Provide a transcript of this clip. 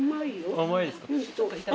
甘いですか。